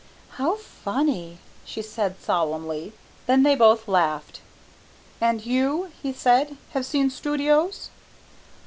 "How funny," she said solemnly. Then they both laughed. "And you," he said, "have seen studios?"